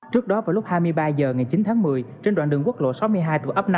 trước đó vào lúc hai mươi ba h ngày chín tháng một mươi trên đoạn đường quốc lộ sáu mươi hai thuộc ấp năm